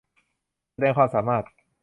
แสดงความสามารถ